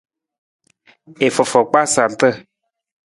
I fofo kpaa sarata.